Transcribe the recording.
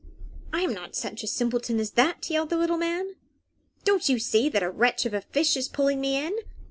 "I'm not such a simpleton as that!" yelled the little man. "Don't you see that a wretch of a fish is pulling me in?"